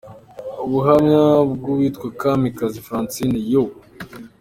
Ubuhamya bwu witwa Kamikazi Francine « Yoooo !!!